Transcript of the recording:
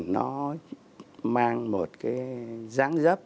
nó mang một cái giáng dấp